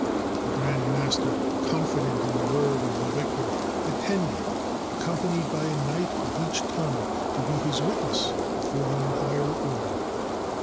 The grand mas ter, confident in the word of the victor, attended, ac companied by a knight of each tongue to be his witness 50s TURKEY before the entire order.